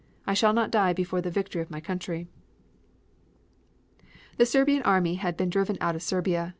I shall not die before the victory of my country." The Serbian army had been driven out of Serbia.